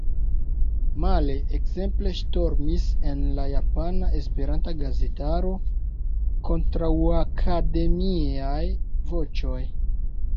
Male – ekzemple ŝtormis en la japana esperanta gazetaro kontraŭakademiaj voĉoj.